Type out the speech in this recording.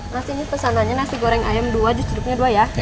mas ini pesanannya nasi goreng ayam dua justru dua ya